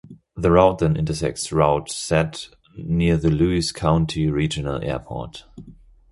The route then intersects Route Z, near the Lewis County Regional Airport.